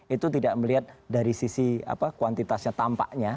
itu tidak melihat dari sisi kuantitasnya tampaknya